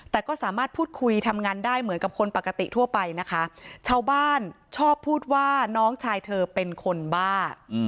แต่ก็สามารถพูดคุยทำงานได้เหมือนกับคนปกติทั่วไปนะคะชาวบ้านชอบพูดว่าน้องชายเธอเป็นคนบ้า